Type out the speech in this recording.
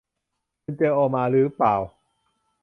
คุณเจอโอมาหรือเปล่า